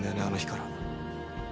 あの日から。